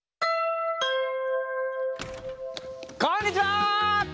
こんにちは！